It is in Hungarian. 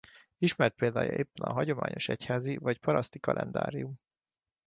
Ismert példája éppen a hagyományos egyházi vagy paraszti kalendárium.